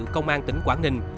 công an tỉnh quảng ninh